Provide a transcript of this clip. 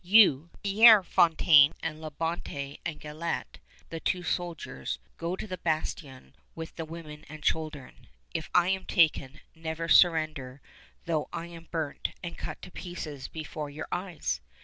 You, Pierre Fontaine and La Bonte and Galet (the two soldiers), go to the bastion with the women and children. If I am taken, never surrender though I am burnt and cut to pieces before your eyes!